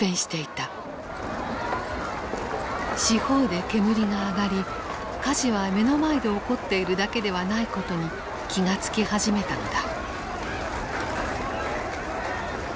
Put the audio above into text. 四方で煙が上がり火事は目の前で起こっているだけではないことに気が付き始めたのだ。